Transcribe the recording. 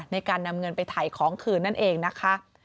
ในการนำเงินไปถ่ายของคืนนั่นเองนะคะ